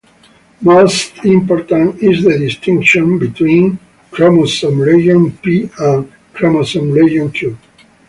Most important is the distinction between chromosome region p and chromosome region q.